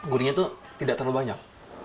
gurinya itu tidak terlalu banyak